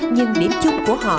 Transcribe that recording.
nhưng điểm chung của họ